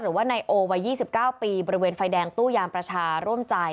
หรือว่านายโอวัย๒๙ปีบริเวณไฟแดงตู้ยามประชาร่วมใจ